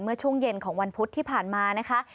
เมื่อช่วงเย็นของวันพุธที่ผ่านมานะคะ